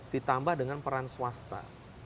ditambah dengan peran swasta